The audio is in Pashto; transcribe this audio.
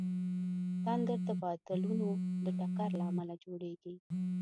تندر د بادلونو د ټکر له امله جوړېږي.